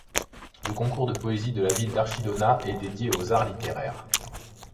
Le Concours de poésie de la ville d'Archidona est dédié aux arts littéraires.